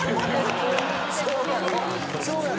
そうやろ？